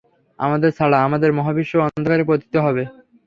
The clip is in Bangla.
আমাদের ছাড়া, আমাদের মহাবিশ্ব অন্ধকারে পতিত হবে।